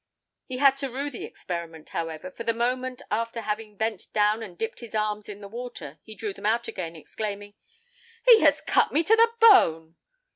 He had to rue the experiment, however, for the moment after having bent down and dipped his arms in the water, he drew them out again, exclaiming, "He has cut me to the bone!"